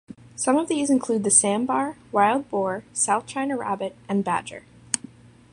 Some of these include the sambar, wild boar, South China rabbit and badger.